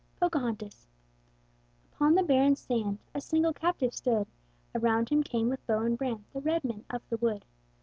POCAHONTAS Upon the barren sand A single captive stood; Around him came, with bow and brand, The red men of the wood.